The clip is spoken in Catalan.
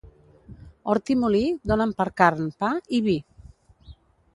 Hort i molí donen per carn, pa i vi.